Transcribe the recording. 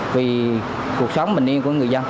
vì cuộc sống bình yên của người dân